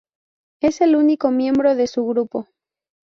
Es el único miembro de su grupo.